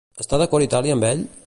Està d'acord Itàlia amb ell?